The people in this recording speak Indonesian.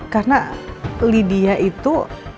karena lydia itu